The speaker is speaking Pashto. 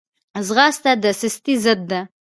ځغاسته د سستۍ ضد ده